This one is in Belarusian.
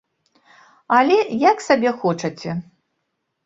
Але, як сабе хочаце.